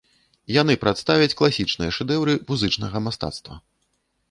Яны прадставяць класічныя шэдэўры музычнага мастацтва.